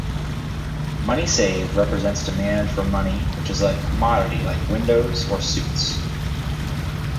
Money saved represents demand for money which is a commodity like windows or suits.